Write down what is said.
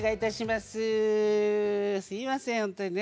すいませんホントにね。